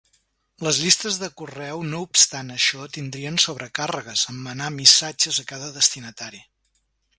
Les llistes de correu no obstant això tindrien sobrecàrregues, en manar missatges a cada destinatari.